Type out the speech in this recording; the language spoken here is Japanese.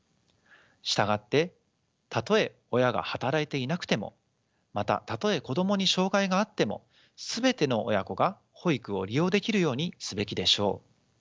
従ってたとえ親が働いていなくてもまたたとえ子どもに障害があっても全ての親子が保育を利用できるようにすべきでしょう。